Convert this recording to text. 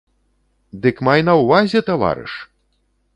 Дык май на ўвазе, таварыш!